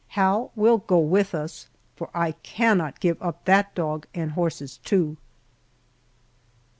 Hal will go with us, for I cannot give up that dog and horses, too.